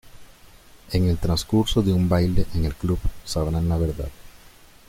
En el transcurso de un baile en el club, sabrán la verdad.